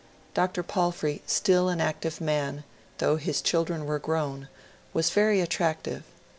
Dr. Palfrey, still an active man, — though his children were grown, — was very attractive.